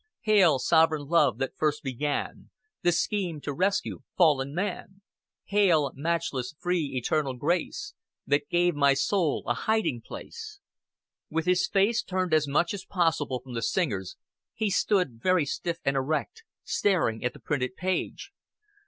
"Hail, sov'reign love, that first began The scheme to rescue fallen man! Hail, matchless, free, eternal grace, That gave my soul a hiding place." With his face turned as much as possible from the singers, he stood very stiff and erect, staring at the printed page.